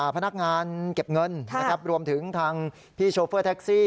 พนักงานเก็บเงินนะครับรวมถึงทางพี่โชเฟอร์แท็กซี่